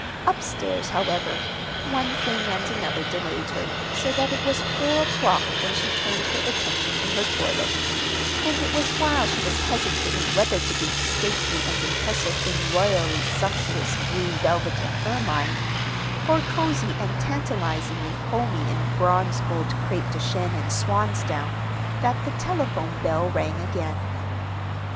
Up stairs, however, one thing and another delayed her, so that it was four o'clock when she turned her attention to her toilet; and it was while she was hesitating whether to be stately and impressive in royally sumptuous blue velvet and ermine, or cozy and tantalizingly homy in bronze gold crêpe de Chine and swan's down, that the telephone bell rang again.